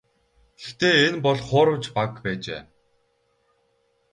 Гэхдээ энэ бол хуурамч баг байжээ.